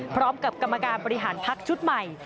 พร้อมกับกรรมการบริหารพักชุดใหม่